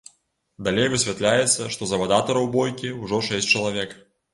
Далей высвятляецца, што завадатараў бойкі ўжо шэсць чалавек.